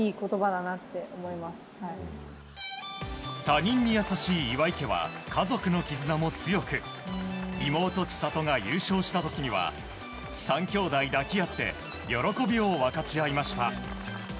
他人に優しい岩井家は家族の絆も強く妹・千怜が優勝した時には３きょうだい抱き合って喜びを分かち合いました。